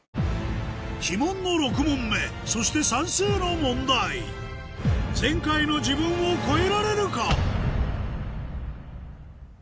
鬼門の６問目そして算数の問題前回の自分を超えられるか？